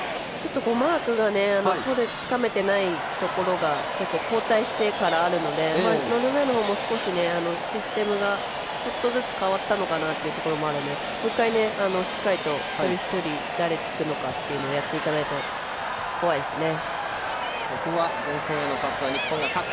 マークをつかめてないところが結構、交代してからあるのでノルウェーの方も少し、システムがちょっとずつ、変わったのかなというのがあるのでもう１回、しっかりと一人一人誰につくのかというのをやっていかないと怖いですね。